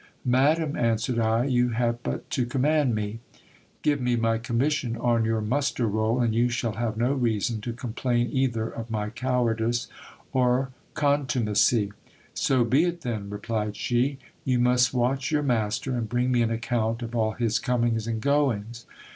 Madam, answered I, you have but to command me. Give me my commission on your muster roll, and you shall have no reason to complain either of my cowardice or contumacy. So be it, then, replied she You must watch your master, and bring me an account of all his comings and goings.